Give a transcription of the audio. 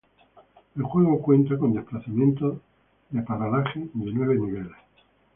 El juego cuenta con desplazamiento de paralaje de nueve niveles.